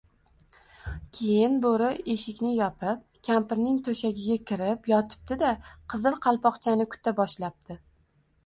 Keyin Boʻri eshikni yopib, kampirning toʻshagiga kirib yotibdi-da, Qizil Qalpoqchani kuta boshlabdi